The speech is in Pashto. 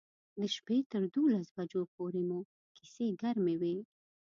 د شپې تر دولس بجو پورې مو کیسې ګرمې وې.